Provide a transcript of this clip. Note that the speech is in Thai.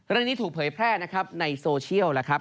เรื่องนี้ถูกเผยแพร่นะครับในโซเชียลแล้วครับ